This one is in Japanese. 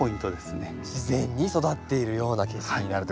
自然に育っているような景色になるってことですね。